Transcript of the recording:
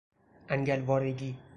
انگل وارگی